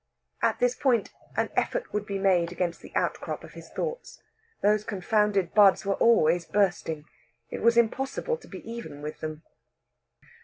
At this point an effort would be made against the outcrop of his thoughts. Those confounded buds were always bursting. It was impossible to be even with them.